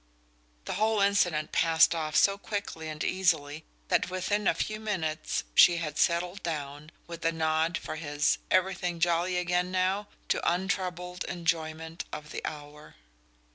The whole incident passed off so quickly and easily that within a few minutes she had settled down with a nod for his "Everything jolly again now?" to untroubled enjoyment of the hour.